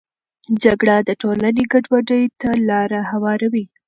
جګړه د ټولنې ګډوډي ته لاره هواروي.